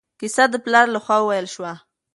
کیسه د پلار له خوا وویل شوه.